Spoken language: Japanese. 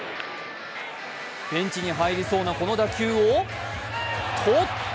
ベンチに入りそうなこの打球をとった。